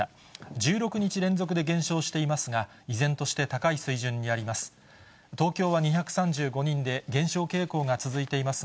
１６日連続で減少していますが、依然として高い水準にあります。